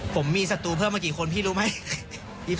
ผมมีศัตรูเพิ่มมากี่คนพี่รู้ไหม